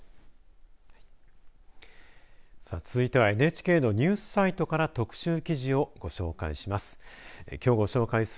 さあ、続いてはＮＨＫのニュースサイトから特集記事をご紹介します。